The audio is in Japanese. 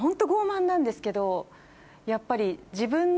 やっぱり。